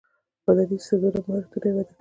بدني استعداونه او مهارتونه یې وده کوي.